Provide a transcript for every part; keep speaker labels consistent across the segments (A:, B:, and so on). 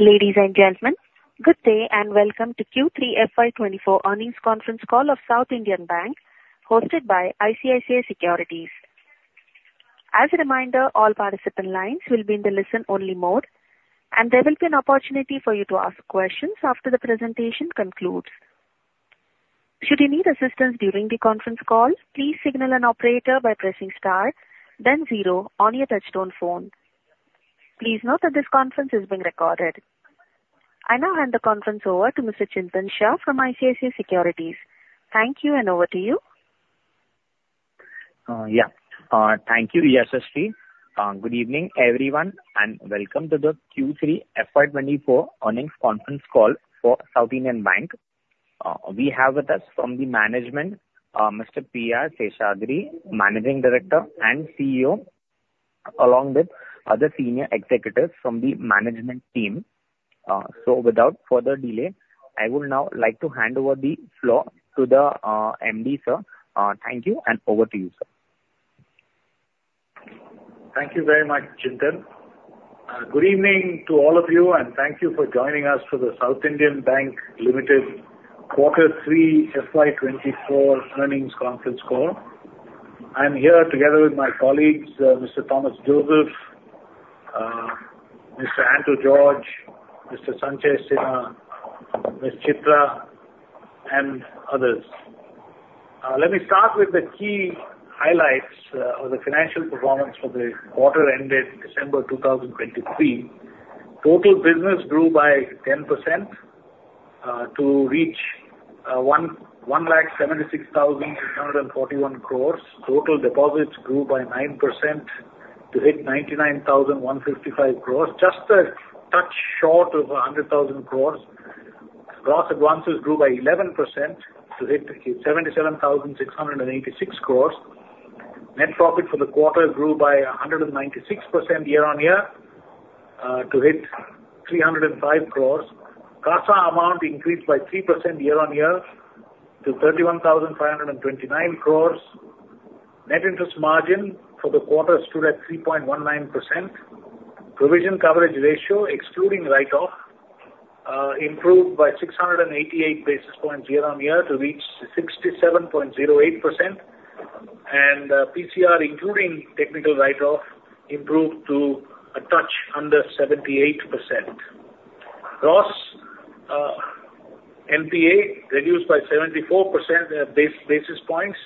A: Ladies and gentlemen, good day, and welcome to Q3 FY 2024 earnings conference call of South Indian Bank, hosted by ICICI Securities. As a reminder, all participant lines will be in the listen-only mode, and there will be an opportunity for you to ask questions after the presentation concludes. Should you need assistance during the conference call, please signal an operator by pressing star then zero on your touchtone phone. Please note that this conference is being recorded. I now hand the conference over to Mr. Chintan Shah from ICICI Securities. Thank you, and over to you.
B: Yeah. Thank you, Yashashri. Good evening, everyone, and welcome to the Q3 FY 2024 earnings conference call for South Indian Bank. We have with us from the management, Mr. P. R. Seshadri, Managing Director and CEO, along with other senior executives from the management team. Without further delay, I would now like to hand over the floor to the MD, sir. Thank you, and over to you, sir.
C: Thank you very much, Chintan. Good evening to all of you, and thank you for joining us for the South Indian Bank Limited quarter three FY 2024 earnings conference call. I'm here together with my colleagues, Mr. Thomas Joseph, Mr. Anto George, Mr. Sanchay Sinha, Ms. Chithra, and others. Let me start with the key highlights of the financial performance for the quarter ended December 2023. Total business grew by 10% to reach 176,641 crore. Total deposits grew by 9% to hit 99,155 crore, just a touch short of 100,000 crore. Gross advances grew by 11% to hit 77,686 crore. Net profit for the quarter grew by 196% year-on-year to hit 305 crore. CASA amount increased by 3% year-on-year to 31,529 crore. Net interest margin for the quarter stood at 3.19%. Provision coverage ratio, excluding write-off, improved by 688 basis points year-on-year to reach 67.08%. PCR, including technical write-off, improved to a touch under 78%. Gross NPA reduced by 74% basis points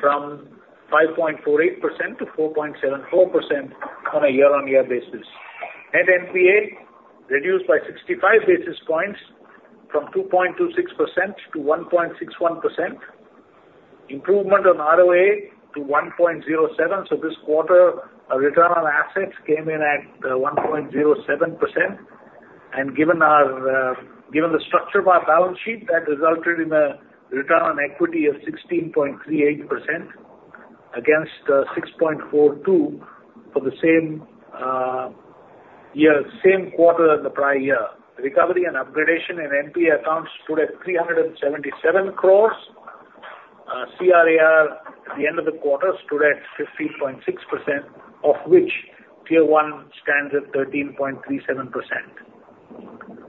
C: from 5.48% to 4.74% on a year-on-year basis. Net NPA reduced by 65 basis points from 2.26% to 1.61%. Improvement on ROA to 1.07, so this quarter, our return on assets came in at 1.07%. Given the structure of our balance sheet, that resulted in a return on equity of 16.38% against 6.42% for the same year, same quarter in the prior year. Recovery and upgradation in NPA accounts stood at 377 crore. CRAR at the end of the quarter stood at 15.6%, of which Tier One stands at 13.37%.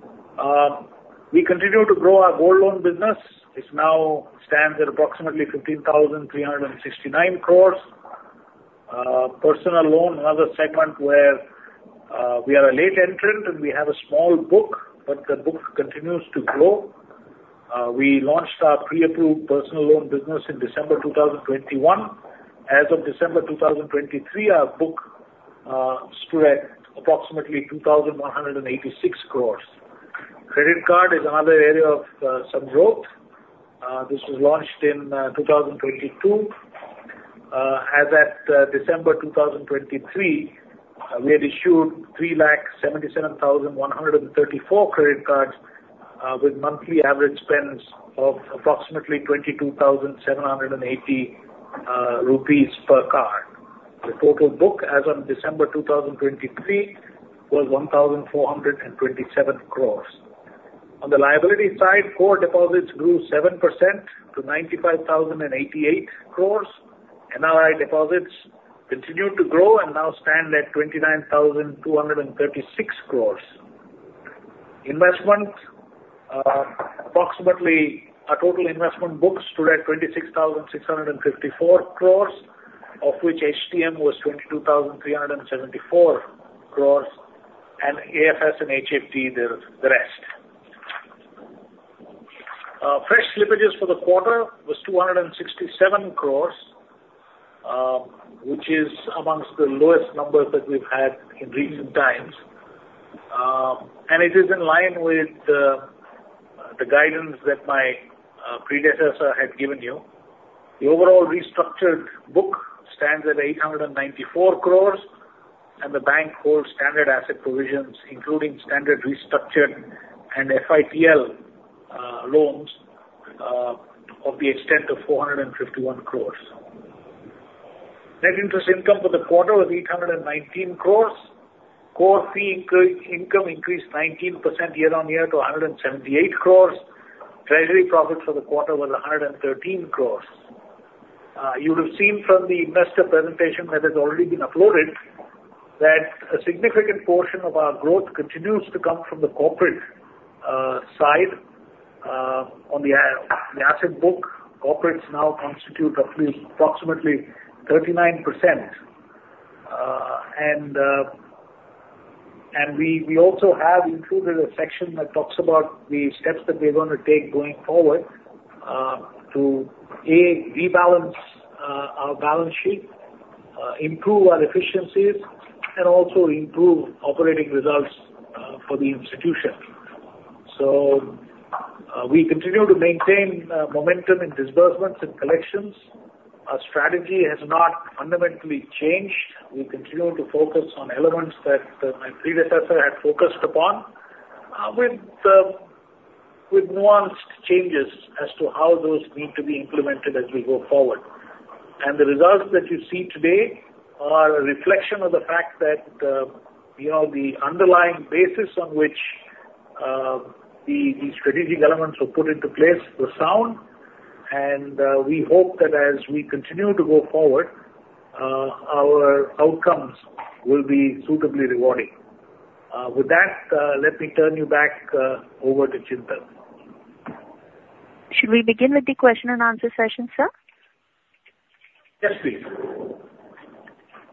C: We continue to grow our gold loan business. It now stands at approximately 15,369 crore. Personal loan, another segment where we are a late entrant and we have a small book, but the book continues to grow. We launched our pre-approved personal loan business in December 2021. As of December 2023, our book stood at approximately 2,186 crore. Credit card is another area of some growth. This was launched in 2022. As at December 2023, we had issued 377,134 credit cards with monthly average spends of approximately 22,780 rupees per card. The total book, as on December 2023, was 1,427 crore. On the liability side, core deposits grew 7% to 95,088 crore. NRI deposits continued to grow and now stand at 29,236 crores. Investment, approximately, our total investment books stood at 26,654 crores, of which HTM was 22,374 crores, and AFS and HFT the rest. Fresh slippages for the quarter was 267 crores, which is among the lowest numbers that we've had in recent times. And it is in line with the guidance that my predecessor had given you. The overall restructured book stands at 894 crores, and the bank holds standard asset provisions, including standard restructured and FITL loans, of the extent of 451 crores. Net interest income for the quarter was 819 crores. Core fee income increased 19% year-on-year to 178 crores. Treasury profit for the quarter was 113 crores. You would have seen from the investor presentation that has already been uploaded, that a significant portion of our growth continues to come from the corporate side. On the asset book, corporates now constitute roughly approximately 39%. And we also have included a section that talks about the steps that we're going to take going forward to rebalance our balance sheet, improve our efficiencies, and also improve operating results for the institution. So we continue to maintain momentum in disbursements and collections. Our strategy has not fundamentally changed. We continue to focus on elements that my predecessor had focused upon with nuanced changes as to how those need to be implemented as we go forward. The results that you see today are a reflection of the fact that, you know, the underlying basis on which the strategic elements were put into place were sound, and we hope that as we continue to go forward, our outcomes will be suitably rewarding. With that, let me turn you back over to Chintan.
A: Should we begin with the question and answer session, sir?
C: Yes, please.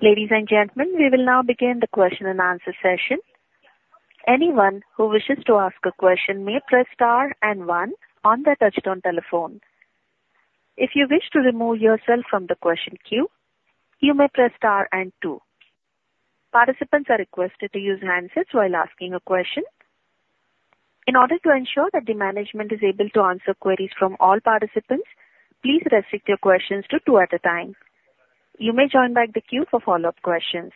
A: Ladies and gentlemen, we will now begin the question-and-answer session. Anyone who wishes to ask a question may press star and one on their touchtone telephone. If you wish to remove yourself from the question queue, you may press star and two. Participants are requested to use handsets while asking a question. In order to ensure that the management is able to answer queries from all participants, please restrict your questions to two at a time. You may join back the queue for follow-up questions.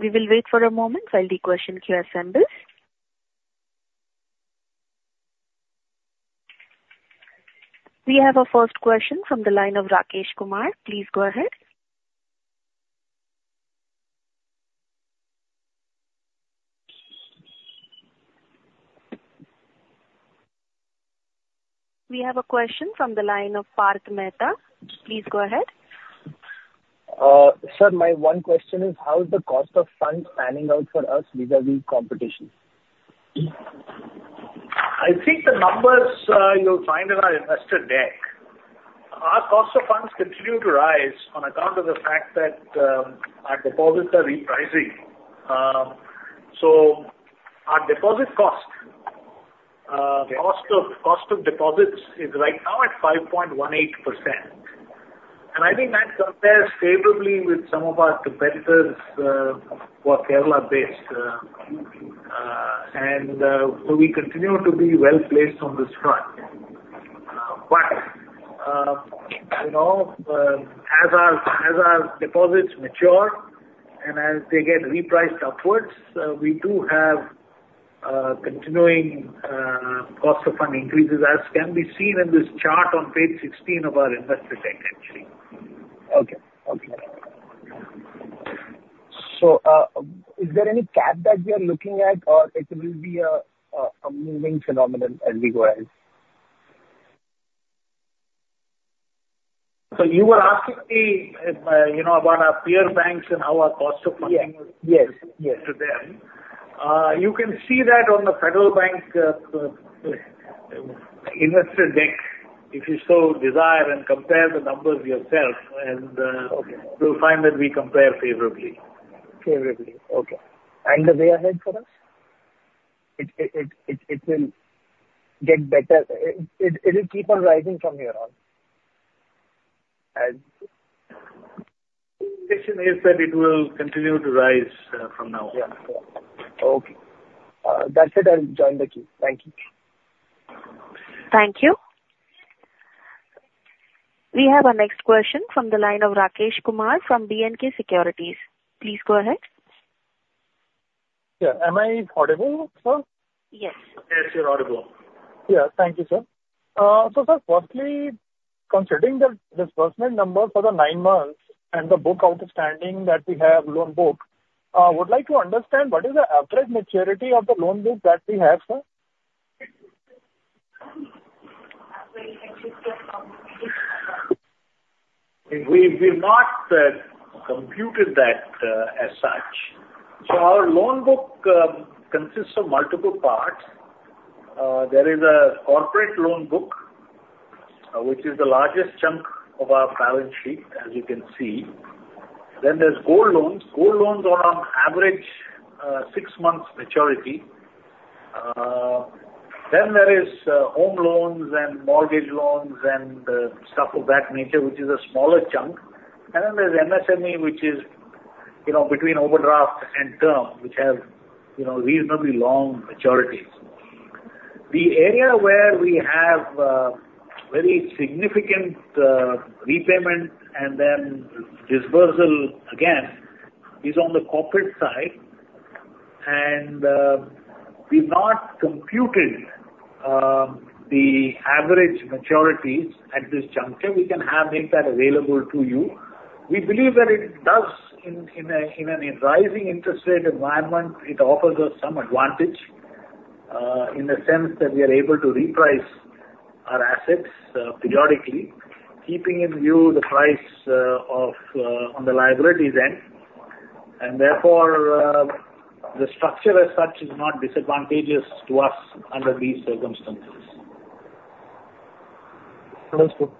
A: We will wait for a moment while the question queue assembles. We have our first question from the line of Rakesh Kumar. Please go ahead. We have a question from the line of Parth Mehta. Please go ahead.
D: Sir, my one question is: How is the cost of funds panning out for us vis-a-vis competition?
C: I think the numbers, you'll find in our investor deck. Our cost of funds continue to rise on account of the fact that, our deposits are repricing. So our deposit cost, the cost of deposits is right now at 5.18%, and I think that compares favorably with some of our competitors, who are Kerala-based, and so we continue to be well-placed on this front. But, you know, as our deposits mature and as they get repriced upwards, we do have continuing cost of fund increases, as can be seen in this chart on page 16 of our investor deck, actually.
D: Okay. Okay. So, is there any cap that we are looking at, or it will be a moving phenomenon as we go ahead?
C: You were asking me, you know, about our peer banks and our cost of funding.
D: Yes. Yes, yes.
C: -to them. You can see that on the Federal Bank investor deck, if you so desire, and compare the numbers yourself, and,
D: Okay.
C: You'll find that we compare favorably.
D: Favorably. Okay. And the way ahead for us? It will get better... It will keep on rising from here on?
C: The prediction is that it will continue to rise from now on.
D: Yeah. Okay. That's it. I'll join the queue. Thank you.
A: Thank you. We have our next question from the line of Rakesh Kumar from B&K Securities. Please go ahead.
E: Yeah. Am I audible, sir?
A: Yes.
C: Yes, you're audible.
E: Yeah. Thank you, sir. So sir, firstly, considering the disbursement number for the nine months and the book outstanding that we have, loan book, would like to understand what is the average maturity of the loan book that we have, sir? Average maturity of how much?
C: We, we've not computed that, as such. So our loan book consists of multiple parts. There is a corporate loan book, which is the largest chunk of our balance sheet, as you can see. Then there's gold loans. Gold loans are on average, six months maturity. Then there is, home loans and mortgage loans and, stuff of that nature, which is a smaller chunk. And then there's MSME, which is, you know, between overdraft and term, which have, you know, reasonably long maturities. The area where we have, very significant, repayment and then dispersal again, is on the corporate side, and, we've not computed, the average maturities at this juncture. We can make that available to you. We believe that it does in an a rising interest rate environment, it offers us some advantage. In the sense that we are able to reprice our assets, periodically, keeping in view the price, of, on the liabilities end, and therefore, the structure as such is not disadvantageous to us under these circumstances.
E: That's good.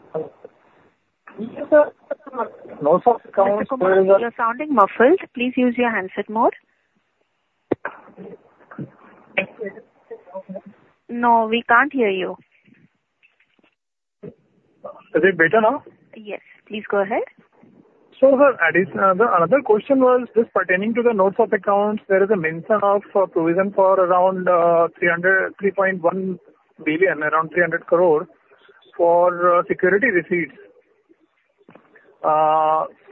C: notes of accounts-
A: Mr. Kumar, you're sounding muffled. Please use your handset mode. No, we can't hear you.
E: Is it better now?
A: Yes. Please go ahead.
E: The another question was just pertaining to the notes of accounts. There is a mention of provision for around 3.1 billion, around 300 crore for security receipts.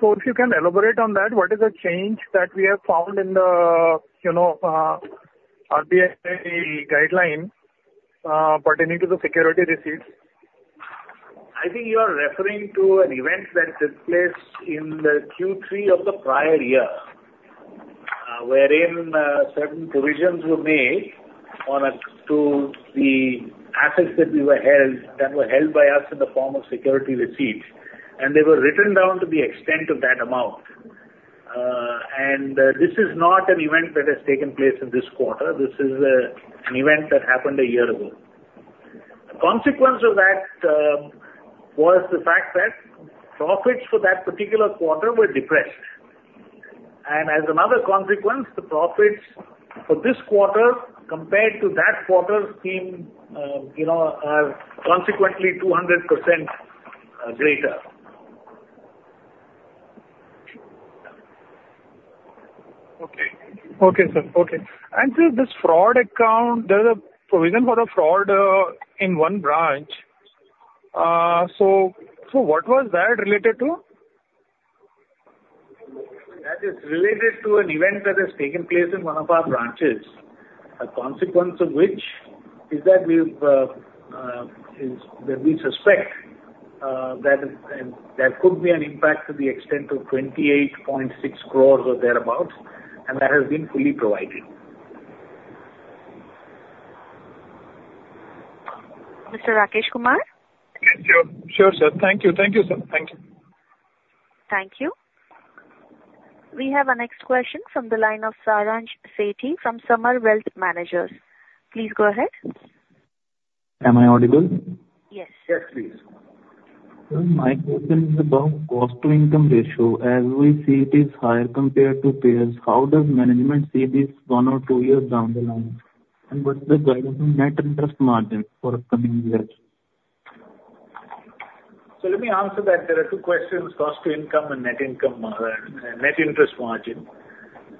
E: If you can elaborate on that, what is the change that we have found in the, you know, RBI guideline pertaining to the security receipts?
C: I think you are referring to an event that took place in the Q3 of the prior year, wherein certain provisions were made on a, to the assets that we were held, that were held by us in the form of security receipts, and they were written down to the extent of that amount. And this is not an event that has taken place in this quarter. This is an event that happened a year-ago. The consequence of that was the fact that profits for that particular quarter were depressed. And as another consequence, the profits for this quarter compared to that quarter seem, you know, consequently, 200%, greater.
E: Okay. Okay, sir. Okay. Sir, this fraud account, there's a provision for the fraud in one branch. So, so what was that related to?
C: That is related to an event that has taken place in one of our branches, a consequence of which is that we suspect that there could be an impact to the extent of 28.6 crore or thereabout, and that has been fully provided.
A: Mr. Rakesh Kumar?
E: Sure. Sure, sir. Thank you. Thank you, sir. Thank you.
A: Thank you. We have our next question from the line of Saransh Sethi from Sama Wealth Managers. Please go ahead.
F: Am I audible?
A: Yes.
C: Yes, please.
F: Sir, my question is about cost to income ratio. As we see, it is higher compared to peers. How does management see this one or two years down the line? And what is the guidance on net interest margin for coming years?
C: So let me answer that. There are two questions, cost to income and net interest margin.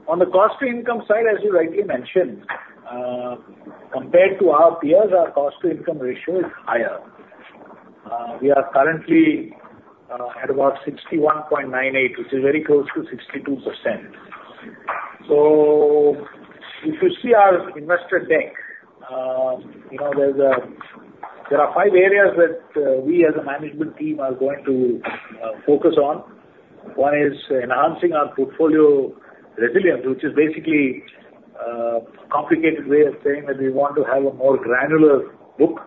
C: On the cost to income side, as you rightly mentioned, compared to our peers, our cost to income ratio is higher. We are currently at about 61.98%, which is very close to 62%. So if you see our investor deck, you know, there are five areas that we as a management team are going to focus on. One is enhancing our portfolio resilience, which is basically a complicated way of saying that we want to have a more granular book.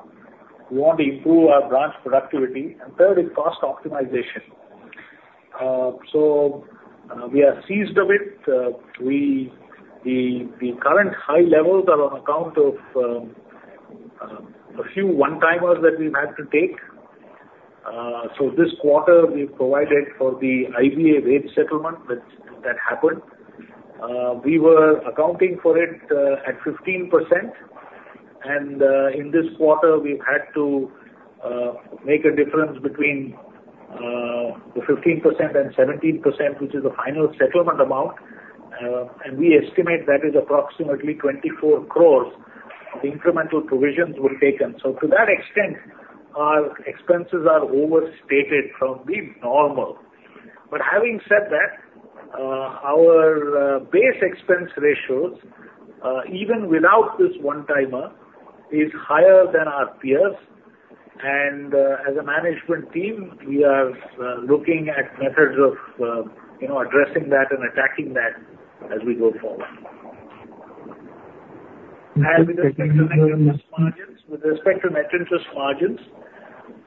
C: We want to improve our branch productivity, and third is cost optimization. So, we are seized of it. The current high levels are on account of a few one-timers that we've had to take. So this quarter, we've provided for the IBA rate settlement, which that happened. We were accounting for it at 15%, and in this quarter, we've had to make a difference between the 15% and 17%, which is the final settlement amount, and we estimate that is approximately 24 crore, the incremental provisions were taken. So to that extent, our expenses are overstated from the normal. But having said that, our base expense ratios, even without this one-timer, is higher than our peers. And as a management team, we are looking at methods of you know addressing that and attacking that as we go forward.
F: Thank you.
C: With respect to net interest margins,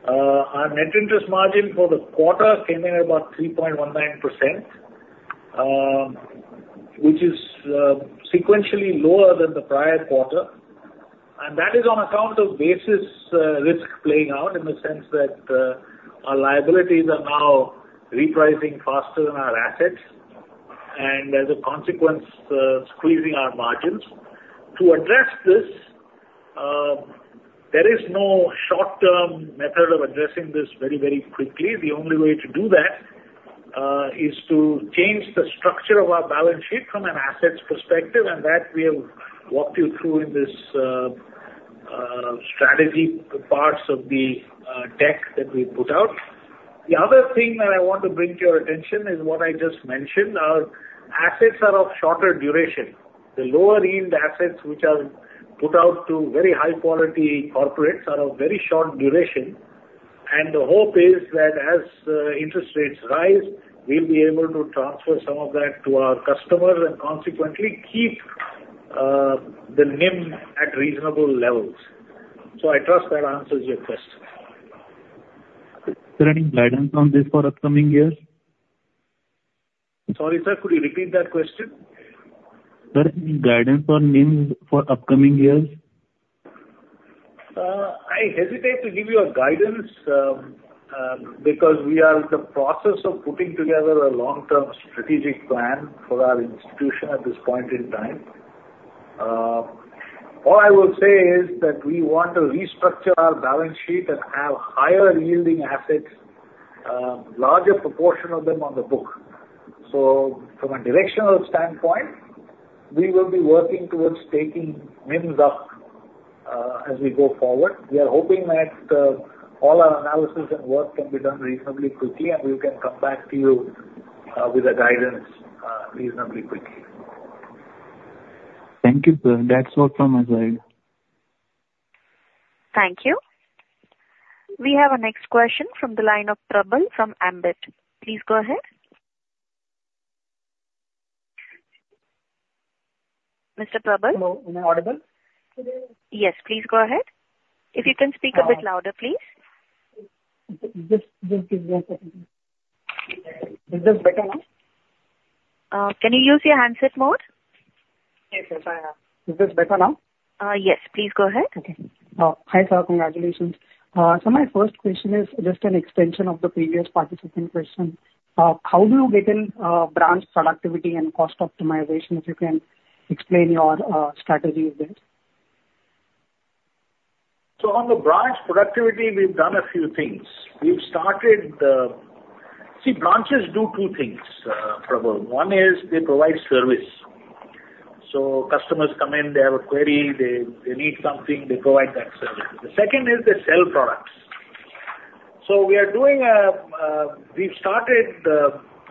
C: our net interest margin for the quarter came in about 3.19%, which is sequentially lower than the prior quarter. That is on account of basis risk playing out in the sense that our liabilities are now repricing faster than our assets, and as a consequence, squeezing our margins. To address this, there is no short-term method of addressing this very, very quickly. The only way to do that is to change the structure of our balance sheet from an assets perspective, and that we have walked you through in this strategy parts of the deck that we put out. The other thing that I want to bring to your attention is what I just mentioned. Our assets are of shorter duration. The lower-yield assets, which are put out to very high quality corporates, are of very short duration, and the hope is that as interest rates rise, we'll be able to transfer some of that to our customers and consequently keep the NIM at reasonable levels. So I trust that answers your question.
F: Is there any guidance on this for upcoming years?
C: Sorry, sir, could you repeat that question?
F: Sir, any guidance on NIM for upcoming years?
C: I hesitate to give you a guidance, because we are in the process of putting together a long-term strategic plan for our institution at this point in time. All I will say is that we want to restructure our balance sheet and have higher yielding assets, larger proportion of them on the book. So from a directional standpoint, we will be working towards taking NIMS up, as we go forward. We are hoping that all our analysis and work can be done reasonably quickly, and we can come back to you, with a guidance, reasonably quickly.
F: Thank you, sir. That's all from my side.
A: Thank you. We have our next question from the line of Prabal from Ambit. Please go ahead. Mr. Prabal?
G: Hello, am I audible?
A: Yes, please go ahead. If you can speak a bit louder, please.
G: Just, just give me one second. Is this better now?
A: Can you use your handset mode?
G: Yes, sir, I have. Is this better now?
A: Yes. Please go ahead.
G: Okay. Hi, sir, congratulations. So my first question is just an extension of the previous participant question. How do you get in branch productivity and cost optimization? If you can explain your strategy with this.
C: So on the branch productivity, we've done a few things. We've started. See, branches do two things, Prabal. One is they provide service. So customers come in, they have a query, they need something, they provide that service. The second is they sell products. So we are doing, we've started,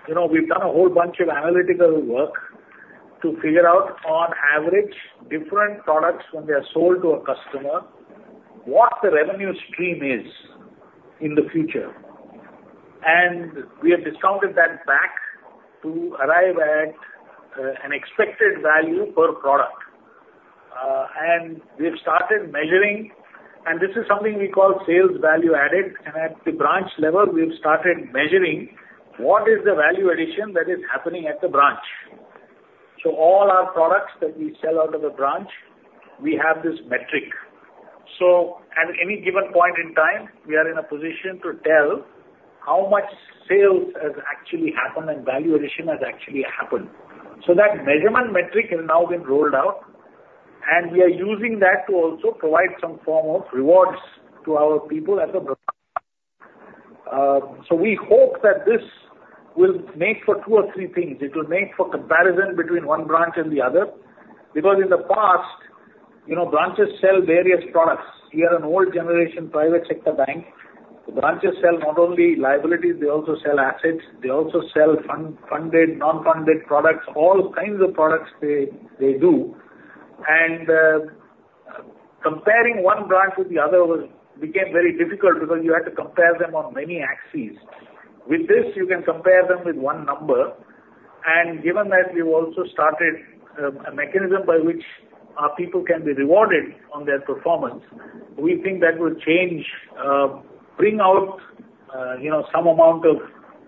C: you know, we've done a whole bunch of analytical work to figure out, on average, different products when they are sold to a customer, what the revenue stream is in the future. And we have discounted that back to arrive at, an expected value per product. And we have started measuring, and this is something we call sales value added, and at the branch level, we've started measuring what is the value addition that is happening at the branch. So all our products that we sell out of a branch, we have this metric. So at any given point in time, we are in a position to tell how much sales has actually happened and value addition has actually happened. So that measurement metric has now been rolled out, and we are using that to also provide some form of rewards to our people at the branch. So we hope that this will make for two or three things. It will make for comparison between one branch and the other, because in the past, you know, branches sell various products. We are an old generation, private sector bank. The branches sell not only liabilities, they also sell assets, they also sell funded, non-funded products, all kinds of products they, they do. Comparing one branch with the other became very difficult because you had to compare them on many axes. With this, you can compare them with one number, and given that we've also started a mechanism by which our people can be rewarded on their performance, we think that will change, bring out, you know, some amount of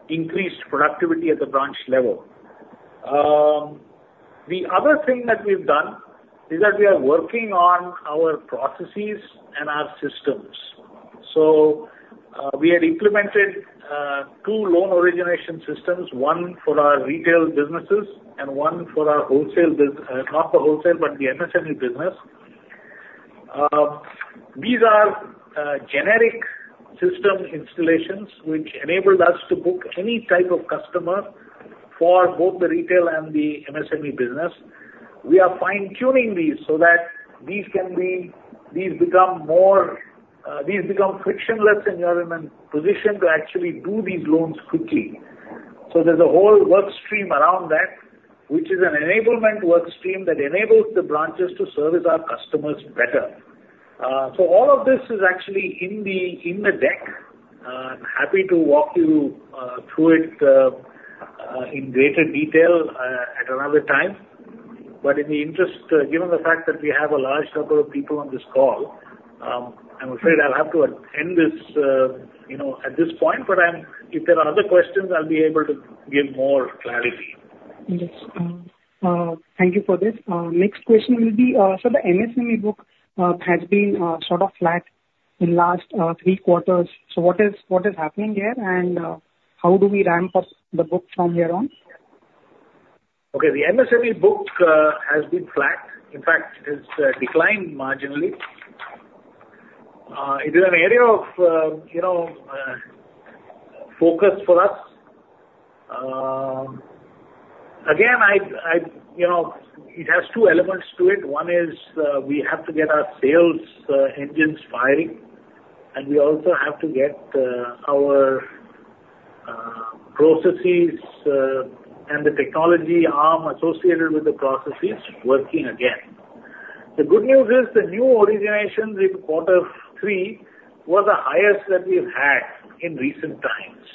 C: increased productivity at the branch level. The other thing that we've done is that we are working on our processes and our systems. We had implemented two loan origination systems, one for our retail businesses and one for our wholesale business - not for wholesale, but the MSME business. These are generic system installations, which enabled us to book any type of customer for both the retail and the MSME business. We are fine-tuning these so that these can be, these become more, these become frictionless environment, positioned to actually do these loans quickly. So there's a whole work stream around that, which is an enablement work stream that enables the branches to service our customers better. So all of this is actually in the, in the deck. I'm happy to walk you through it in greater detail at another time. But in the interest, given the fact that we have a large number of people on this call, I'm afraid I'll have to end this, you know, at this point, but I'm, if there are other questions, I'll be able to give more clarity.
G: Yes. Thank you for this. Next question will be, so the MSME book has been sort of flat in last three quarters. So what is, what is happening there, and how do we ramp up the book from here on?
C: Okay, the MSME book has been flat. In fact, it's declined marginally. It is an area of, you know, focus for us. Again, you know, it has two elements to it. One is, we have to get our sales engines firing, and we also have to get our processes and the technology arm associated with the processes working again. The good news is, the new originations in quarter three were the highest that we've had in recent times.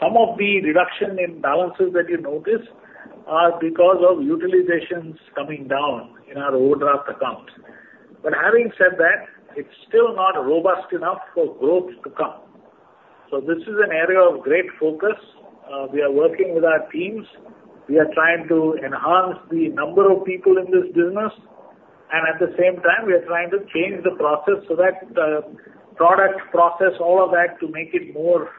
C: Some of the reduction in balances that you noticed are because of utilizations coming down in our overdraft accounts. But having said that, it's still not robust enough for growth to come. So this is an area of great focus. We are working with our teams. We are trying to enhance the number of people in this business, and at the same time, we are trying to change the process so that, product, process, all of that, to make it more,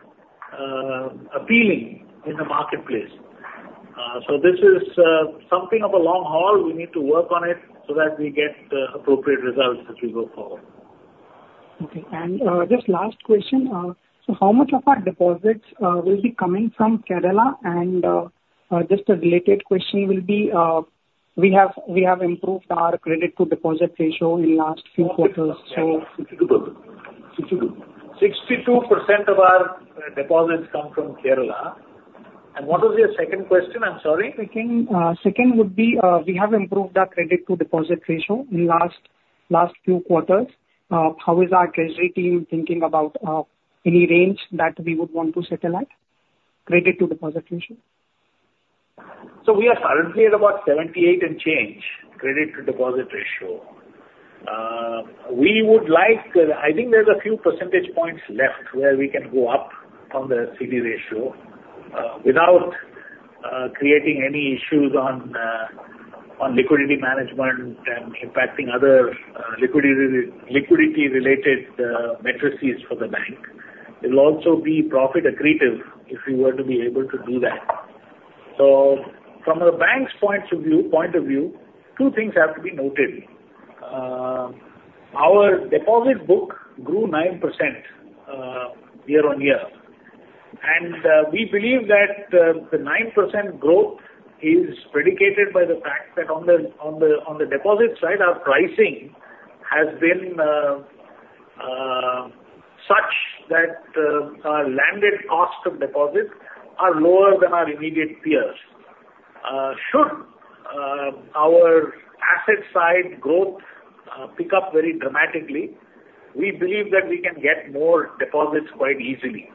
C: appealing in the marketplace. So this is, something of a long haul. We need to work on it so that we get the appropriate results as we go forward.
G: Okay. Just last question. So how much of our deposits will be coming from Kerala? And, just a related question will be, we have improved our credit to deposit ratio in last few quarters, so-
C: 62% of our deposits come from Kerala. What was your second question? I'm sorry.
G: Second would be, we have improved our credit to deposit ratio in last few quarters. How is our treasury team thinking about any range that we would want to settle at, credit to deposit ratio?
C: So we are currently at about 78 and change, credit-to-deposit ratio. We would like... I think there's a few percentage points left where we can go up on the CD ratio, without creating any issues on liquidity management and impacting other liquidity-related metrics for the bank. It'll also be profit accretive if we were to be able to do that. So from the bank's point of view, point of view, two things have to be noted. Our deposit book grew 9% year-on-year. And we believe that the 9% growth is predicated by the fact that on the deposit side, our pricing has been such that our landed cost of deposits are lower than our immediate peers. Should our asset side growth pick up very dramatically, we believe that we can get more deposits quite easily.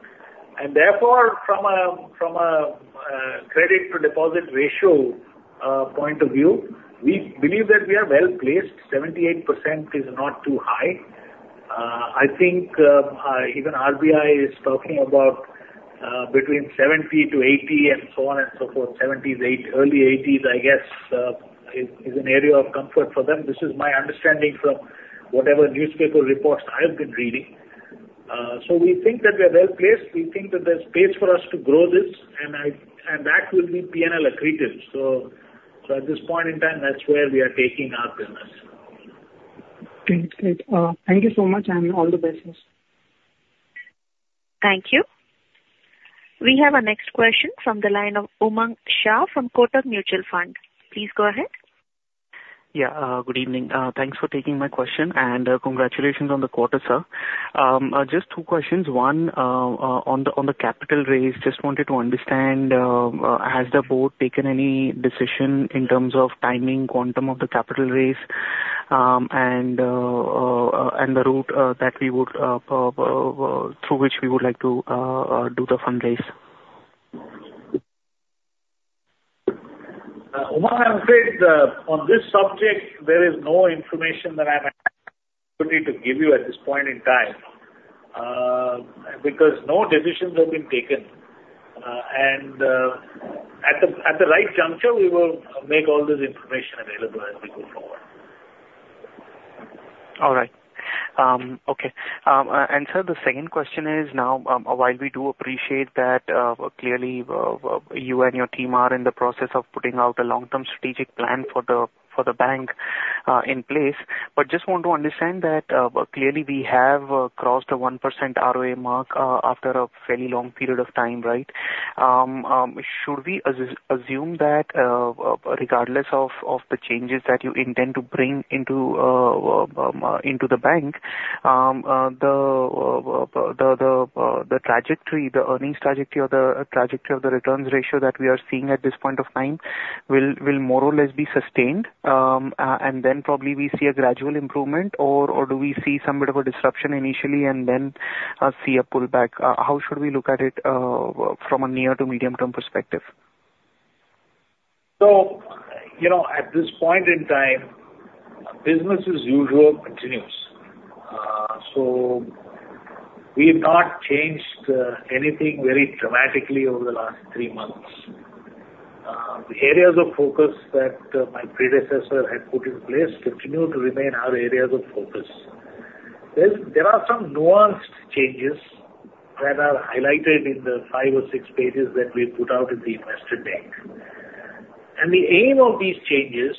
C: And therefore, from a, from a, credit to deposit ratio point of view, we believe that we are well placed. 78% is not too high. I think, even RBI is talking about between 70% to 80% and so on and so forth. 70s, early 80s, I guess, is an area of comfort for them. This is my understanding from whatever newspaper reports I've been reading. So we think that we are well placed. We think that there's space for us to grow this, and that will be P&L accretive. So at this point in time, that's where we are taking our business.
G: Great. Great. Thank you so much, and all the best, sir.
A: Thank you. We have our next question from the line of Umang Shah from Kotak Mutual Fund. Please go ahead.
H: Yeah, good evening. Thanks for taking my question, and congratulations on the quarter, sir. Just two questions. One, on the capital raise, just wanted to understand, has the board taken any decision in terms of timing, quantum of the capital raise, and the route through which we would like to do the fundraise?
C: Umang, I would say, on this subject, there is no information that I'm to give you at this point in time, because no decisions have been taken. And, at the right juncture, we will make all this information available as we go forward.
H: All right. Okay. Sir, the second question is, now, while we do appreciate that, clearly, you and your team are in the process of putting out a long-term strategic plan for the bank in place, but just want to understand that, clearly we have crossed the 1% ROA mark after a fairly long period of time, right? Should we assume that, regardless of the changes that you intend to bring into the bank, the trajectory, the earnings trajectory or the trajectory of the returns ratio that we are seeing at this point of time, will more or less be sustained, and then probably we see a gradual improvement? Or, or do we see some bit of a disruption initially and then, see a pullback? How should we look at it, from a near to medium-term perspective?
C: So, you know, at this point in time, business as usual continues. So we've not changed anything very dramatically over the last three months. The areas of focus that my predecessor had put in place continue to remain our areas of focus. There are some nuanced changes that are highlighted in the five or six pages that we put out in the investor deck. And the aim of these changes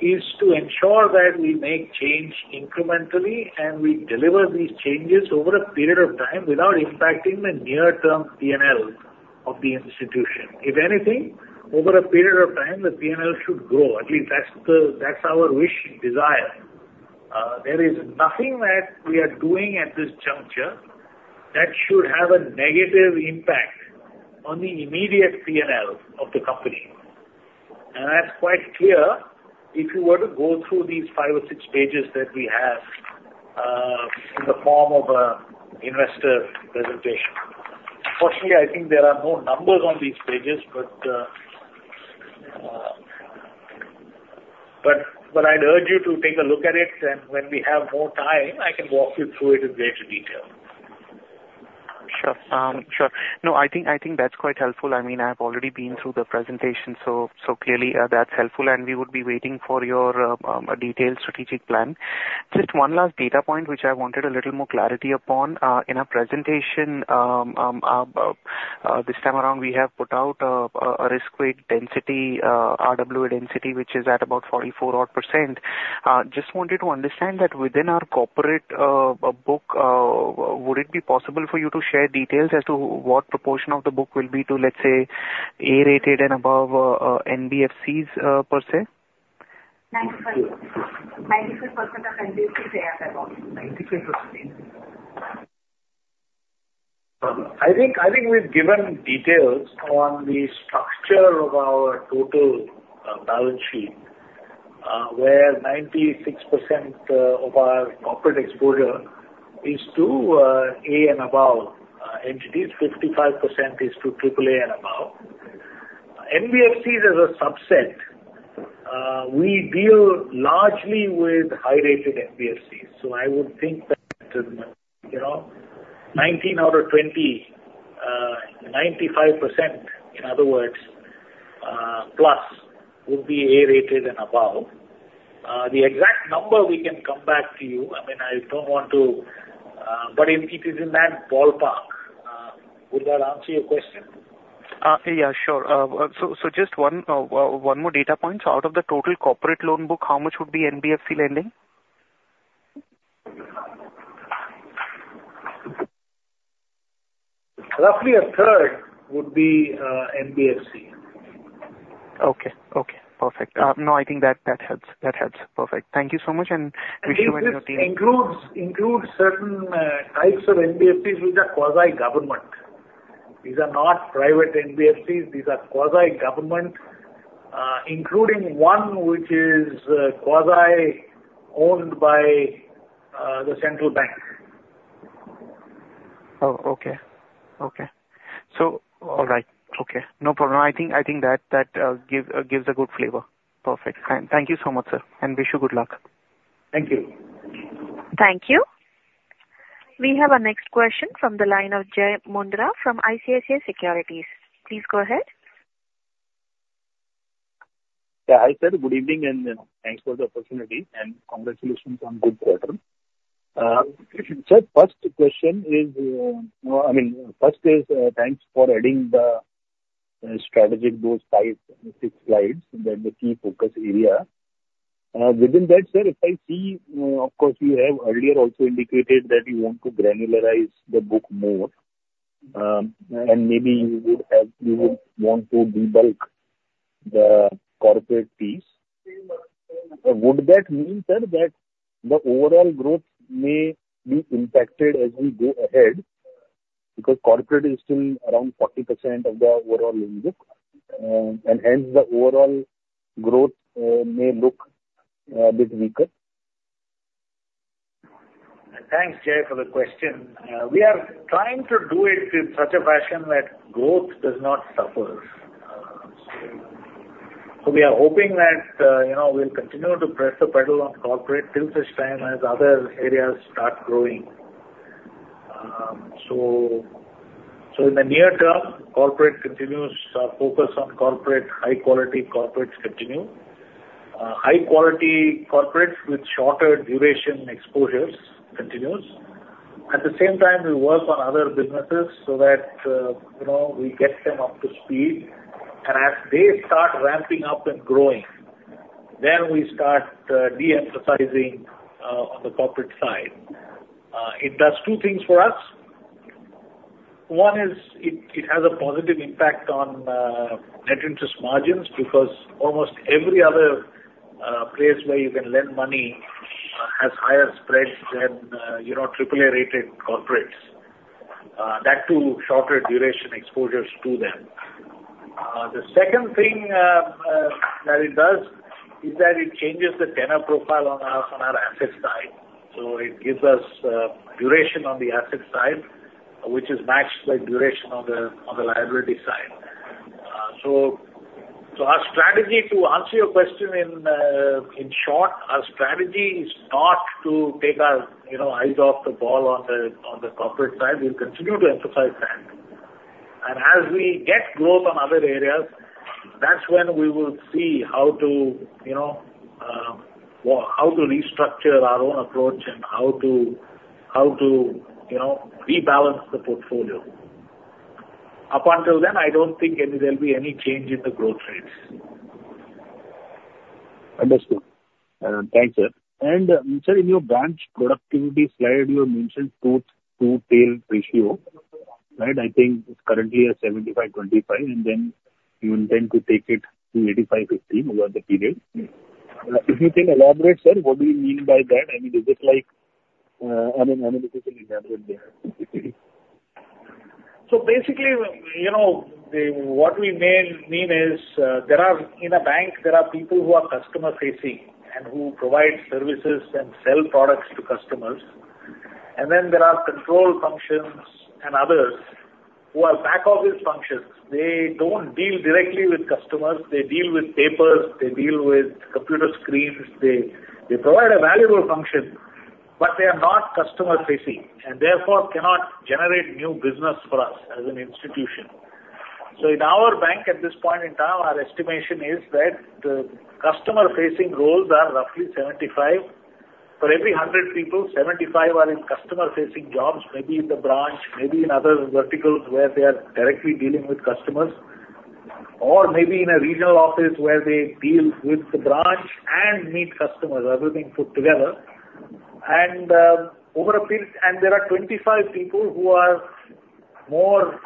C: is to ensure that we make change incrementally, and we deliver these changes over a period of time without impacting the near-term P&L of the institution. If anything, over a period of time, the P&L should grow. At least that's our wish, desire... there is nothing that we are doing at this juncture that should have a negative impact on the immediate P&L of the company. That's quite clear, if you were to go through these five or six pages that we have in the form of an investor presentation. Unfortunately, I think there are more numbers on these pages, but I'd urge you to take a look at it, and when we have more time, I can walk you through it in greater detail.
H: Sure. Sure. No, I think, I think that's quite helpful. I mean, I've already been through the presentation, so, so clearly, that's helpful, and we would be waiting for your detailed strategic plan. Just one last data point, which I wanted a little more clarity upon. In a presentation, this time around, we have put out a risk weight density, RWA density, which is at about 44 odd percent. Just wanted to understand that within our corporate book, would it be possible for you to share details as to what proportion of the book will be to, let's say, A-rated and above, NBFCs, per se?
I: 95% of NBFCs are A at about 95%.
C: I think, I think we've given details on the structure of our total balance sheet, where 96% of our corporate exposure is to A and above entities, 55% is to triple A and above. NBFCs as a subset, we deal largely with high-rated NBFCs, so I would think that, you know, 19 out of 20, 95%, in other words, plus, would be A-rated and above. The exact number we can come back to you. I mean, I don't want to... but it is in that ballpark. Would that answer your question?
H: Yeah, sure. So just one more data point. So out of the total corporate loan book, how much would be NBFC lending?
C: Roughly a third would be NBFC.
H: Okay. Okay, perfect. No, I think that, that helps. That helps. Perfect. Thank you so much, and wish you and your team-
C: This includes certain types of NBFCs which are quasi-government. These are not private NBFCs. These are quasi-government, including one which is quasi-owned by the central bank.
H: Oh, okay. Okay. So all right. Okay, no problem. I think, I think that, that, give, gives a good flavor. Perfect. Thank you so much, sir, and wish you good luck.
C: Thank you.
A: Thank you. We have our next question from the line of Jai Mundhra from ICICI Securities. Please go ahead.
J: Yeah, hi, sir. Good evening, and thanks for the opportunity and congratulations on good quarter. Sir, first question is, I mean, first is thanks for adding the strategic board slides, six slides, and then the key focus area. Within that, sir, if I see, of course, you have earlier also indicated that you want to granularize the book more, and maybe you would want to debulk the corporate piece. Would that mean, sir, that the overall growth may be impacted as we go ahead, because corporate is still around 40% of the overall loan book, and hence the overall growth may look a bit weaker?
C: Thanks, Jai, for the question. We are trying to do it in such a fashion that growth does not suffer. So we are hoping that, you know, we'll continue to press the pedal on corporate till such time as other areas start growing. So, in the near term, corporate continues, focus on corporate, high quality corporates continue. High quality corporates with shorter duration exposures continues. At the same time, we work on other businesses so that, you know, we get them up to speed, and as they start ramping up and growing, then we start, de-emphasizing, on the corporate side. It does two things for us. One is, it has a positive impact on net interest margins, because almost every other place where you can lend money has higher spreads than, you know, triple A-rated corporates, that too, shorter duration exposures to them. The second thing that it does is that it changes the tenor profile on our asset side. So it gives us duration on the asset side, which is matched by duration on the liability side. So our strategy, to answer your question in short, our strategy is not to take our, you know, eyes off the ball on the corporate side. We'll continue to emphasize that. As we get growth on other areas, that's when we will see how to, you know, how to restructure our own approach and how to, how to, you know, rebalance the portfolio. Up until then, I don't think there'll be any change in the growth rates.
J: Understood. Thanks, sir. Sir, in your branch productivity slide, you mentioned tooth-to-tail ratio. Right, I think it's currently at 75/25, and you intend to take it to 85/15 over the period. If you can elaborate, sir, what do you mean by that? I mean, is this like, I mean, I'm a little difficult to elaborate there.
C: So basically, you know, what we mean is, there are, in a bank, there are people who are customer-facing and who provide services and sell products to customers. And then there are control functions and others who are back office functions. They don't deal directly with customers, they deal with papers, they deal with computer screens. They, they provide a valuable function, but they are not customer-facing, and therefore cannot generate new business for us as an institution. So in our bank, at this point in time, our estimation is that the customer-facing roles are roughly 75. For every 100 people, 75 are in customer-facing jobs, maybe in the branch, maybe in other verticals where they are directly dealing with customers, or maybe in a regional office where they deal with the branch and meet customers, everything put together. And over a period... There are 25 people who are more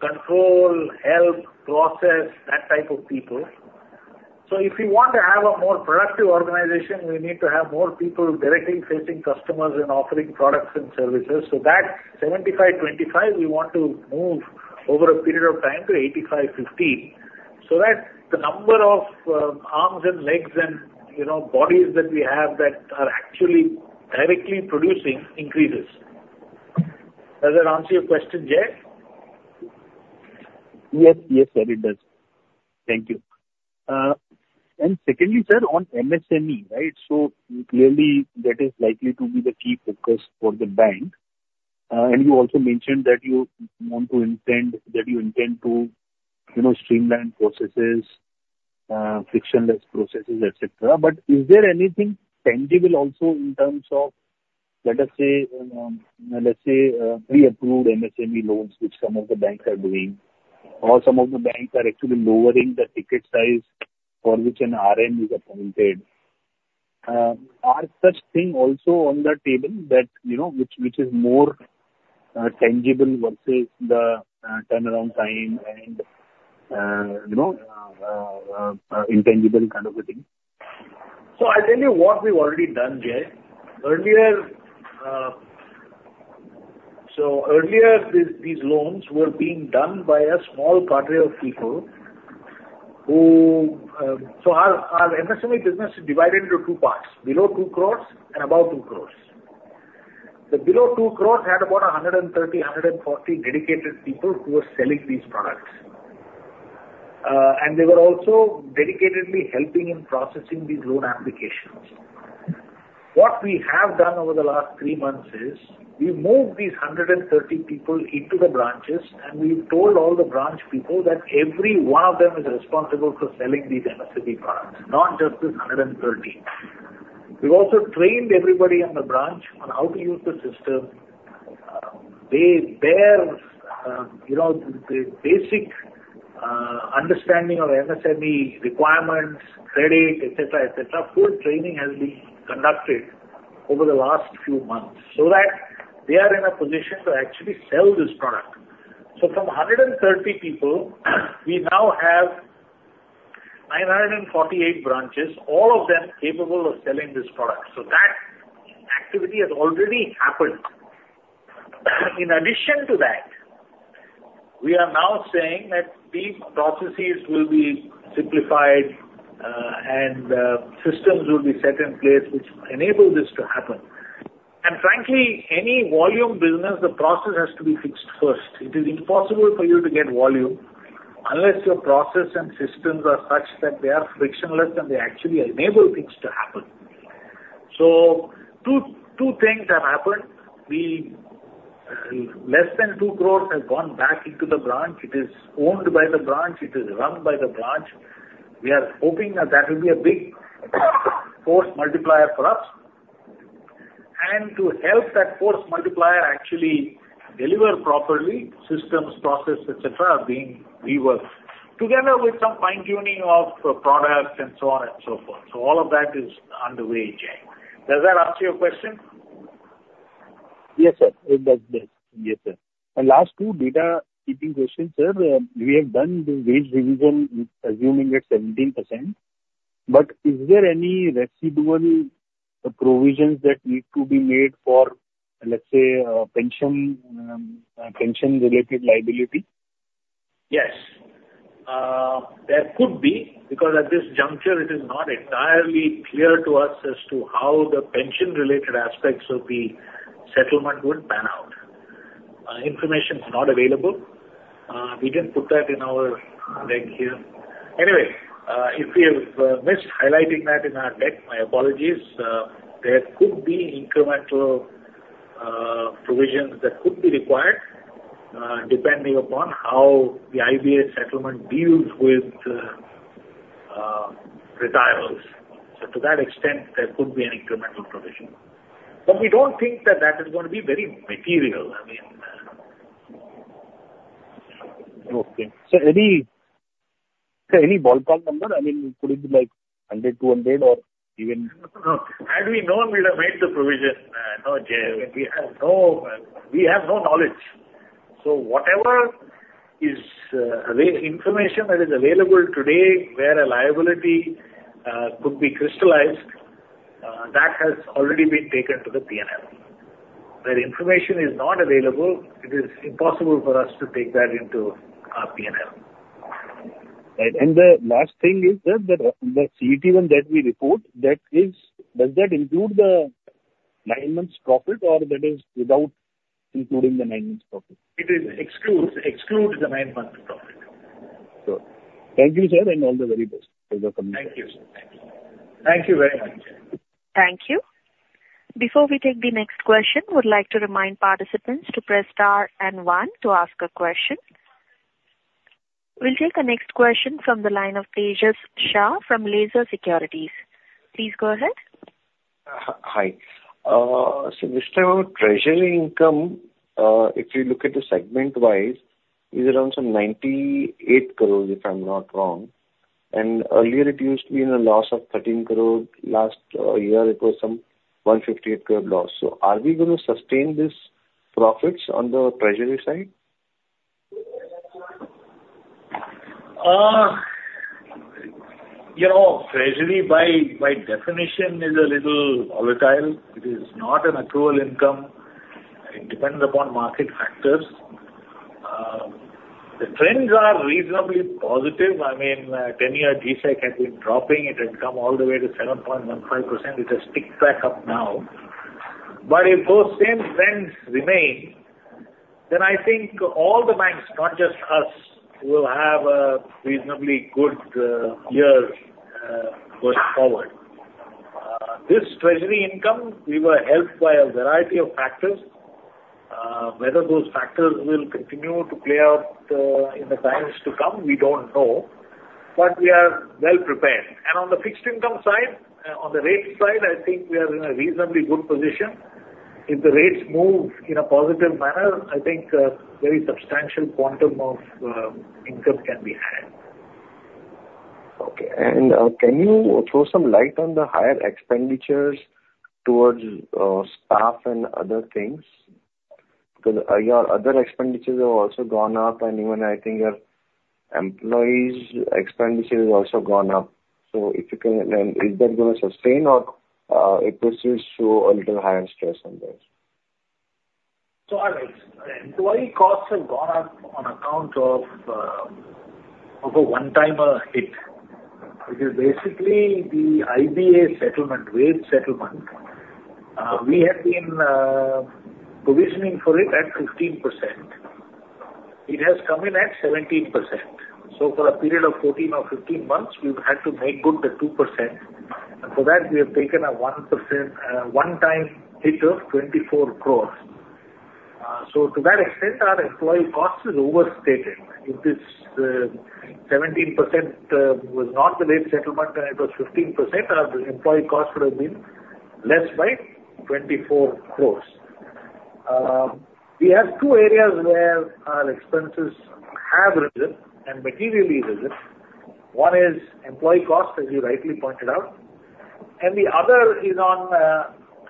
C: control, help, process, that type of people. If you want to have a more productive organization, we need to have more people directly facing customers and offering products and services. That 75/25, we want to move over a period of time to 85/15, so that the number of, arms and legs and, you know, bodies that we have that are actually directly producing, increases. Does that answer your question, Jai?
J: Yes. Yes, sir, it does. Thank you. And secondly, sir, on MSME, right? So clearly that is likely to be the key focus for the bank. And you also mentioned that you want to intend, that you intend to, you know, streamline processes, frictionless processes, et cetera. But is there anything tangible also in terms of, let us say, let's say, pre-approved MSME loans, which some of the banks are doing, or some of the banks are actually lowering the ticket size for which an RM is appointed. Are such thing also on the table that, you know, which, which is more, tangible versus the, turnaround time and, you know, intangible kind of a thing?
C: I tell you what we've already done, Jai. Earlier, these loans were being done by a small cadre of people who... Our MSME business is divided into two parts, below 2 crore and above 2 crore. The below 2 crore had about 130, 140 dedicated people who were selling these products, and they were also dedicatedly helping in processing these loan applications. What we have done over the last three months is, we moved these 130 people into the branches, and we told all the branch people that every one of them is responsible for selling these MSME products, not just this 130. We've also trained everybody in the branch on how to use the system. You know, the basic understanding of MSME requirements, credit, et cetera, et cetera, full training has been conducted over the last few months so that they are in a position to actually sell this product. So from 130 people, we now have 948 branches, all of them capable of selling this product. So that activity has already happened. In addition to that, we are now saying that these processes will be simplified, and systems will be set in place which enable this to happen. And frankly, any volume business, the process has to be fixed first. It is impossible for you to get volume unless your process and systems are such that they are frictionless and they actually enable things to happen. So two things have happened. We, less than 2 crore have gone back into the branch. It is owned by the branch, it is run by the branch. We are hoping that that will be a big force multiplier for us. And to help that force multiplier actually deliver properly, systems, processes, et cetera, are being reworked, together with some fine-tuning of the products and so on and so forth. So all of that is underway, Jai. Does that answer your question?
J: Yes, sir. It does, yes. Yes, sir. And last two housekeeping questions, sir. We have done this wage revision, assuming it's 17%, but is there any residual provisions that need to be made for, let's say, pension, pension-related liability?
C: Yes. There could be, because at this juncture, it is not entirely clear to us as to how the pension-related aspects of the settlement would pan out. Information is not available. We didn't put that in our deck here. Anyway, if we have missed highlighting that in our deck, my apologies. There could be incremental provisions that could be required, depending upon how the IBA settlement deals with retirees. So to that extent, there could be an incremental provision. But we don't think that that is gonna be very material. I mean...
J: Okay. So any ballpark number? I mean, could it be like 100, 200, or even-
C: As we know, we have made the provision, no, Jai, we have no, we have no knowledge. So whatever is available, information that is available today, where a liability could be crystallized, that has already been taken to the P&L. Where information is not available, it is impossible for us to take that into our P&L.
J: Right. The last thing is that, the CET1 that we report, that is, does that include the nine months' profit or that is without including the nine months' profit?
C: It excludes the nine-month profit.
J: Sure. Thank you, sir, and all the very best for the company.
C: Thank you, sir. Thank you. Thank you very much.
A: Thank you. Before we take the next question, would like to remind participants to press star and one to ask a question. We'll take the next question from the line of Tejas Shah from Laser Securities. Please go ahead.
K: Hi. So this time our treasury income, if you look at the segment-wise, is around some 98 crore, if I'm not wrong, and earlier it used to be in a loss of 13 crore. Last year it was some 158 crore loss. So are we going to sustain this profits on the treasury side?
C: You know, treasury by, by definition is a little volatile. It is not an accrual income, it depends upon market factors. The trends are reasonably positive. I mean, 10-year G-Sec has been dropping. It had come all the way to 7.15%. It has picked back up now. But if those same trends remain, then I think all the banks, not just us, will have a reasonably good, year, going forward. This treasury income, we were helped by a variety of factors. Whether those factors will continue to play out, in the times to come, we don't know, but we are well prepared. And on the fixed income side, on the rate side, I think we are in a reasonably good position. If the rates move in a positive manner, I think a very substantial quantum of income can be had.
K: Okay. And, can you throw some light on the higher expenditures towards, staff and other things? Because, your other expenditures have also gone up, and even I think your employees' expenditures has also gone up. So if you can... Is that going to sustain or, it persists to a little higher stress on this?
C: So our employee costs have gone up on account of a one-timer hit, which is basically the IBA settlement, wage settlement. We have been provisioning for it at 15%. It has come in at 17%. So for a period of 14 or 15 months, we've had to make good the 2%, and for that, we have taken a 1% one time hit of 24 crore. So to that extent, our employee cost is overstated. If this 17% was not the rate settlement, and it was 15%, our employee cost would have been less by 24 crore. We have two areas where our expenses have risen, and materially risen. One is employee cost, as you rightly pointed out, and the other is on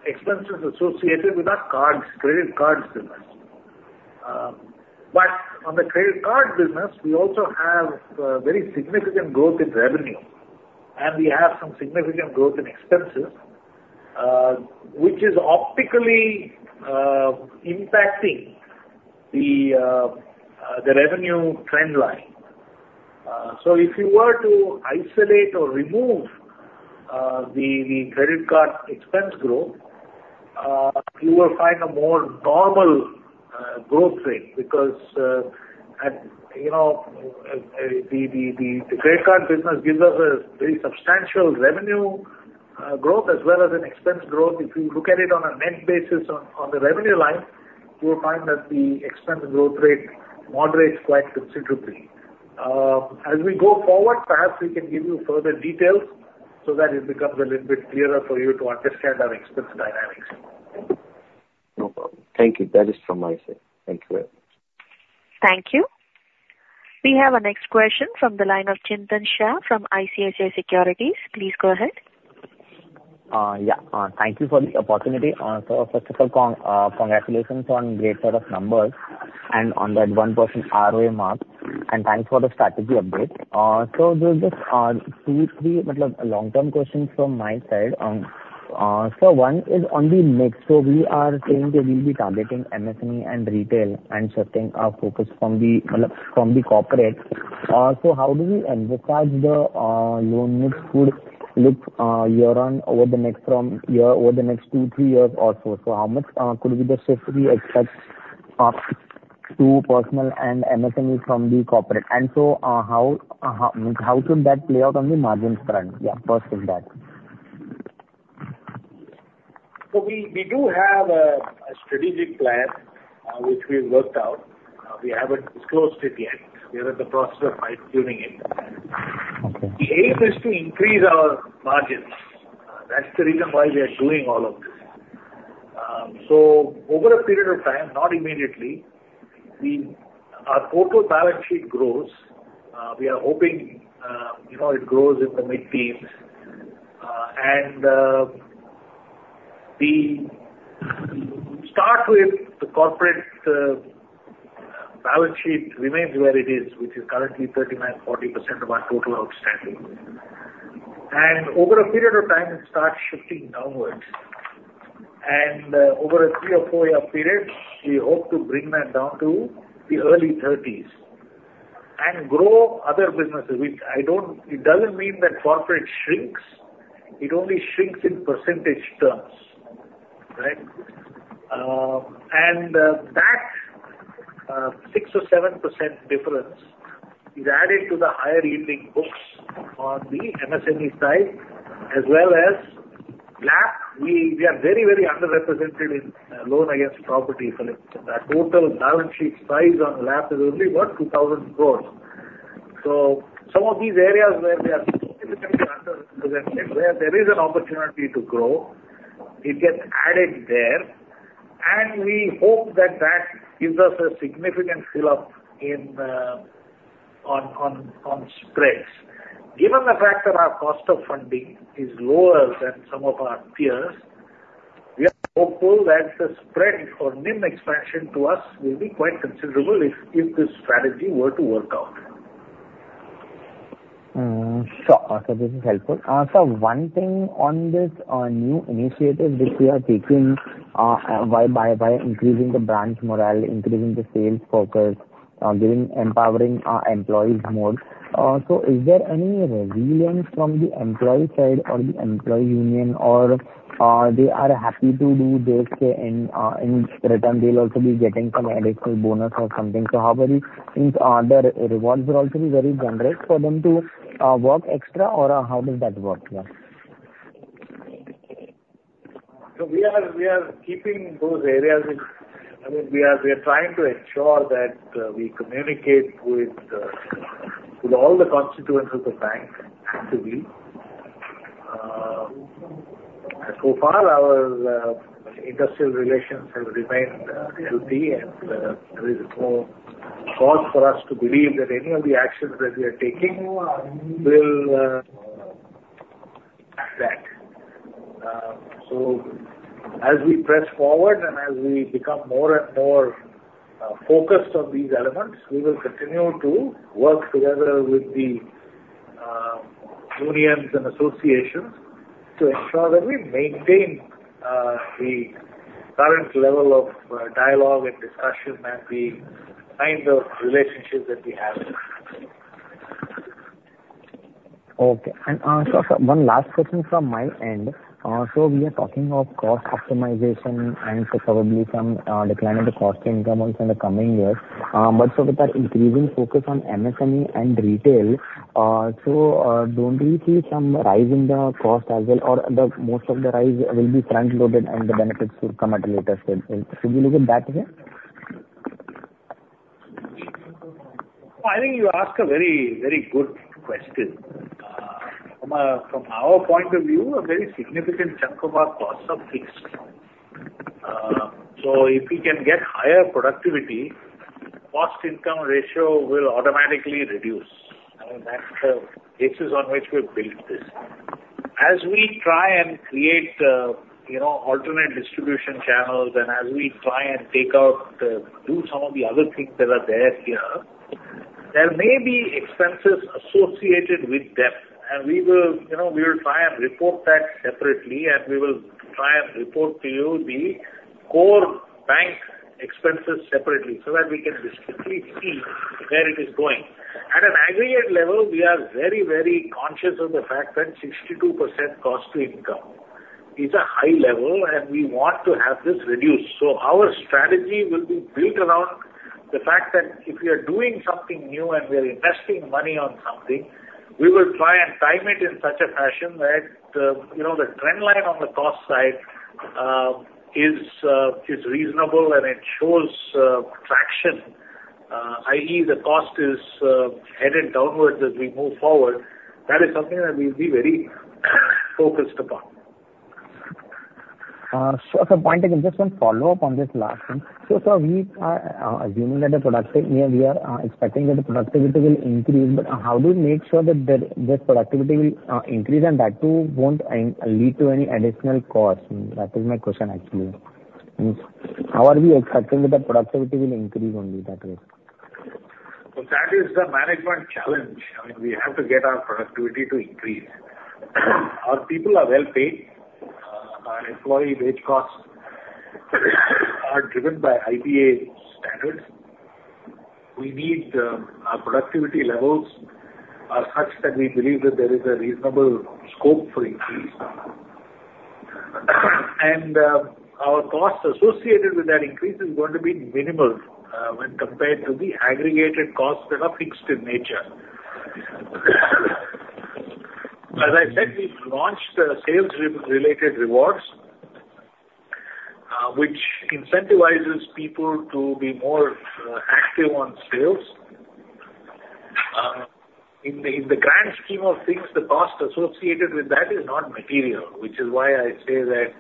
C: expenses associated with our cards, credit cards business. But on the credit card business, we also have very significant growth in revenue, and we have some significant growth in expenses, which is optically impacting the revenue trend line. So if you were to isolate or remove the credit card expense growth, you will find a more normal growth rate. Because you know the credit card business gives us a very substantial revenue growth as well as an expense growth. If you look at it on a net basis on the revenue line, you will find that the expense growth rate moderates quite considerably. As we go forward, perhaps we can give you further details so that it becomes a little bit clearer for you to understand our expense dynamics.
K: No problem. Thank you. That is from my side. Thank you very much.
A: Thank you. We have our next question from the line of Chintan Shah from ICICI Securities. Please go ahead.
B: Yeah, thank you for the opportunity. So first of all, congratulations on great set of numbers, and on that 1% ROA mark, and thanks for the strategy update. So there's just two, three, long-term questions from my side. So one is on the mix. So we are saying that we'll be targeting MSME and retail and shifting our focus from the corporate. So how do we emphasize the loan mix would look, year on over the next from year, over the next two, three years or so? So how much could we be safely expect us to personal and MSME from the corporate? And so, how can that play out on the margins front? Yeah, first on that.
C: So we do have a strategic plan, which we've worked out. We haven't disclosed it yet. We are in the process of fine-tuning it. The aim is to increase our margins. That's the reason why we are doing all of this. So over a period of time, not immediately, our total balance sheet grows. We are hoping, you know, it grows in the mid-teens. And we start with the corporate balance sheet remains where it is, which is currently 39%-40% of our total outstanding. And over a period of time, it starts shifting downwards. Over a 3-year or 4-year period, we hope to bring that down to the early thirties and grow other businesses, which I don't-- it doesn't mean that corporate shrinks, it only shrinks in percentage terms, right? And that 6%-7% difference is added to the higher-yielding books on the MSME side, as well as LAP. We are very, very underrepresented in loan against property. Our total balance sheet size on LAP is only about 2,000 crore. So some of these areas where we are underrepresented, where there is an opportunity to grow, it gets added there, and we hope that that gives us a significant fill up in on spreads. Given the fact that our cost of funding is lower than some of our peers, we are hopeful that the spread for NIM expansion to us will be quite considerable if this strategy were to work out.
B: Sure. So this is helpful. Sir, one thing on this new initiative which we are taking by increasing the branch morale, increasing the sales focus, empowering our employees more. So is there any resilience from the employee side or the employee union or they are happy to do this in return, they'll also be getting some additional bonus or something? So how are we, is, are there rewards will also be very generous for them to work extra or how does that work, yeah?
C: So we are keeping those areas in... I mean, we are trying to ensure that we communicate with all the constituents of the bank actively. So far our industrial relations have remained healthy, and there is no cause for us to believe that any of the actions that we are taking will affect. So as we press forward and as we become more and more focused on these elements, we will continue to work together with the unions and associations to ensure that we maintain the current level of dialogue and discussion and the kind of relationships that we have.
B: Okay. And, sir, one last question from my end. So we are talking of cost optimization and so probably some decline in the cost income also in the coming years. But so with that increasing focus on MSME and retail, so, don't we see some rise in the cost as well, or the most of the rise will be front-loaded and the benefits will come at a later stage? Should we look at that here?
C: Well, I think you ask a very, very good question. From, from our point of view, a very significant chunk of our costs are fixed. So if we can get higher productivity, cost-income ratio will automatically reduce. I mean, that's the basis on which we've built this. As we try and create, you know, alternate distribution channels, and as we try and take out, do some of the other things that are there here, there may be expenses associated with depth, and we will, you know, we will try and report that separately, and we will try and report to you the core bank expenses separately, so that we can distinctly see where it is going. At an aggregate level, we are very, very conscious of the fact that 62% cost to income is a high level, and we want to have this reduced. So our strategy will be built around the fact that if we are doing something new and we are investing money on something, we will try and time it in such a fashion that, you know, the trend line on the cost side is reasonable and it shows traction, i.e., the cost is headed downwards as we move forward. That is something that we'll be very focused upon.
B: So, sir, just one follow-up on this last one. So, sir, we are assuming that the productivity, we are expecting that the productivity will increase, but how do you make sure that this productivity will increase, and that too won't lead to any additional costs? That is my question, actually. How are we expecting that the productivity will increase only that way?
C: So that is the management challenge. I mean, we have to get our productivity to increase. Our people are well paid. Our employee wage costs are driven by IBA standards. We need our productivity levels are such that we believe that there is a reasonable scope for increase. And our costs associated with that increase is going to be minimal, when compared to the aggregated costs that are fixed in nature. As I said, we've launched the sales-related rewards, which incentivizes people to be more active on sales. In the grand scheme of things, the cost associated with that is not material. Which is why I say that,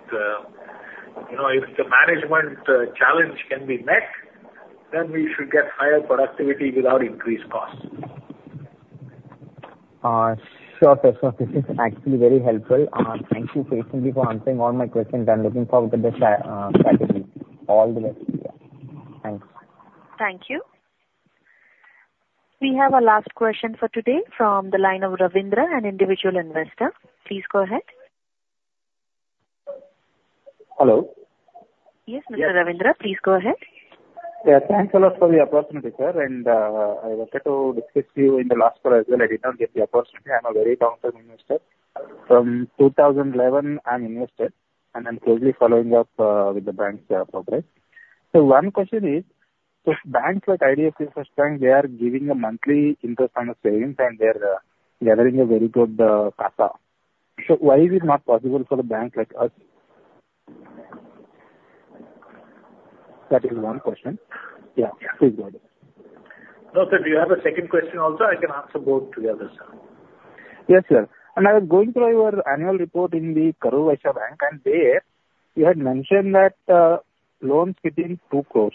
C: you know, if the management challenge can be met, then we should get higher productivity without increased costs.
B: Sure, sure. This is actually very helpful. Thank you for instantly for answering all my questions. I'm looking forward to this strategy. All the best to you. Thanks.
A: Thank you. We have our last question for today from the line of Ravindra, an individual investor. Please go ahead.
L: Hello?
A: Yes, Mr. Ravindra, please go ahead.
L: Yeah. Thanks a lot for the opportunity, sir, and I wanted to discuss to you in the last call as well. I did not get the opportunity. I'm a very long-term investor. From 2011, I'm invested, and I'm closely following up with the bank's progress. So one question is: if banks like IDFC First Bank, they are giving a monthly interest on the savings, and they are gathering a very good CASA. So why is it not possible for the bank like us? That is one question. Yeah.
C: No, sir. Do you have a second question also? I can answer both together, sir.
L: Yes, sir. I was going through your annual report in the Karur Vysya Bank, and there you had mentioned that, loans within 2 crore.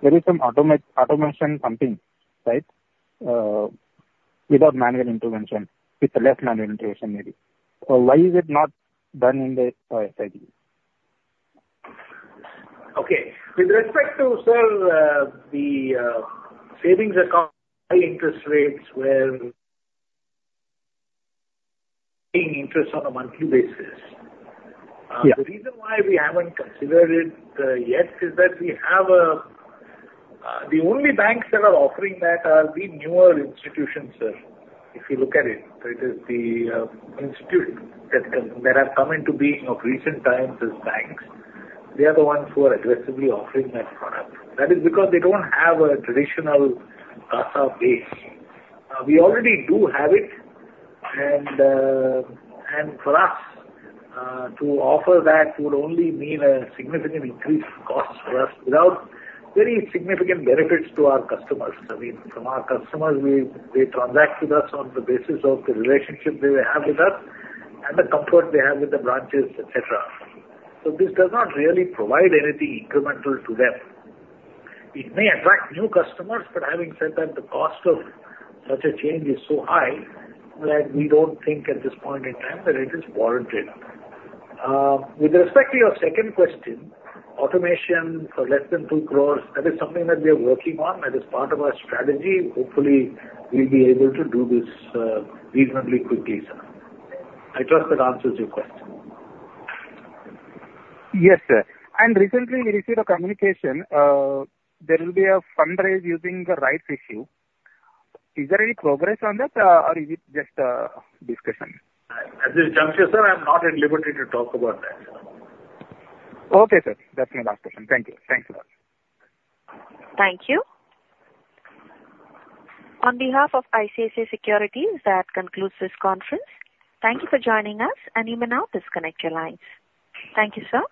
L: There is some automation something, right? Without manual intervention, with less manual intervention, maybe. So why is it not done in the SIB?
C: Okay. With respect to, sir, the savings account high interest rates where paying interest on a monthly basis.
L: Yeah.
C: The reason why we haven't considered it yet is that we have a. The only banks that are offering that are the newer institutions, sir. If you look at it, it is the institute that have come into being of recent times as banks. They are the ones who are aggressively offering that product. That is because they don't have a traditional CASA base. We already do have it, and, and for us to offer that would only mean a significant increase in costs for us without very significant benefits to our customers. I mean, from our customers, we, they transact with us on the basis of the relationship they have with us and the comfort they have with the branches, et cetera. So this does not really provide anything incremental to them. It may attract new customers, but having said that, the cost of such a change is so high that we don't think at this point in time that it is warranted. With respect to your second question, automation for less than 2 crore, that is something that we are working on. That is part of our strategy. Hopefully, we'll be able to do this, reasonably quickly, sir. I trust that answers your question.
L: Yes, sir. Recently we received a communication, there will be a fundraise using the rights issue. Is there any progress on that, or is it just a discussion?
C: At this juncture, sir, I'm not at liberty to talk about that.
L: Okay, sir. That's my last question. Thank you. Thanks a lot.
A: Thank you. On behalf of ICICI Securities, that concludes this conference. Thank you for joining us, and you may now disconnect your lines. Thank you, sir.